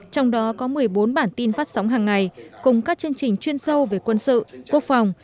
trong đó có một mươi bốn bản tin phát sóng hàng ngày cùng các chương trình chuyên sâu về quân sự quốc phòng